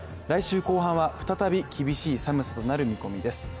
来週後半は再び厳しい寒さとなる見込みです。